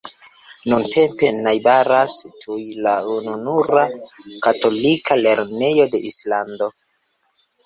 Nuntempe najbaras tuj la ununura katolika lernejo de Islando.